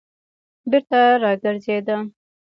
بېرته راگرځېده.